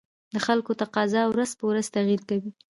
د خلکو تقاتضا ورځ په ورځ تغير کوي